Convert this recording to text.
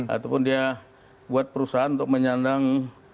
ataupun dia buat perusahaan untuk menyandang